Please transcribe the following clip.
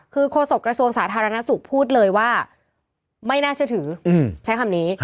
คือโฆษกระทรวงสาธารณสุขพูดเลยว่าไม่น่าเชื่อถือใช้คำนี้